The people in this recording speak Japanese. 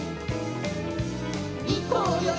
「いこうよい